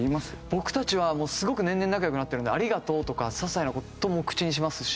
僕たちはすごく年々仲良くなってるんで「ありがとう」とか些細な事も口にしますし。